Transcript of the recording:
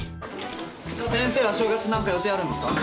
先生は正月何か予定あるんですか？